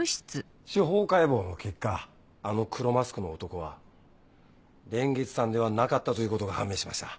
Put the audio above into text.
司法解剖の結果あの黒マスクの男は蓮月さんではなかったということが判明しました。